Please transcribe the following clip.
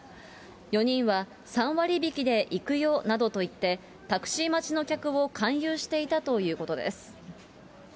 ４人は３割引きで行くよなどと言って、タクシー待ちの客を勧誘していたということです。